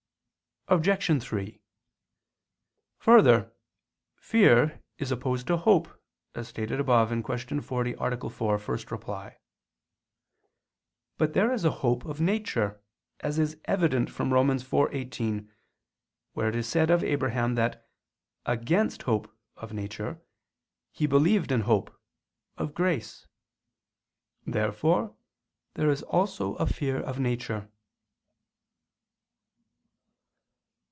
Obj. 3: Further, fear is opposed to hope, as stated above (Q. 40, A. 4, ad 1). But there is a hope of nature, as is evident from Rom. 4:18, where it is said of Abraham that "against hope" of nature, "he believed in hope" of grace. Therefore there is also a fear of nature.